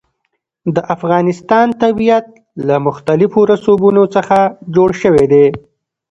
د افغانستان طبیعت له مختلفو رسوبونو څخه جوړ شوی دی.